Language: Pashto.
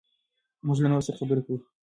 موږ له نورو سره خبرې کوو.